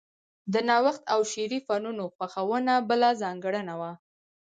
د نوښت او شعري فنونو خوښونه بله ځانګړنه وه